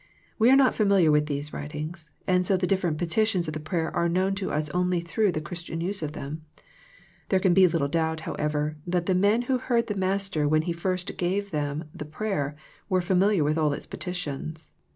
We are not familiar with these writings, and so the different petitions of the prayer are known to us only through the Christian use of them. There can be little doubt, however, that the men who heard the Master when He first gave them the prayer were familiar with all its petitions.